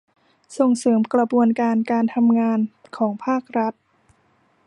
ส่งเสริมกระบวนการการทำงานของภาครัฐ